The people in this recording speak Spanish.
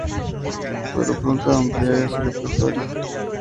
Pero pronto amplía su repertorio.